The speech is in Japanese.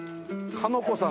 鹿の子さん。